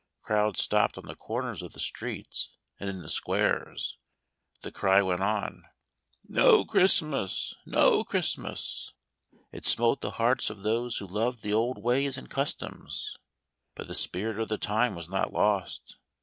Crowds stopped on the corners of the streets and in the squares. The cry went on : "No Christmas ! No Christmas !" It smote the hearts of those who loved the old ways and customs. But the spirit of the time was not lost.